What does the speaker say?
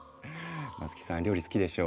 松木さん料理好きでしょう。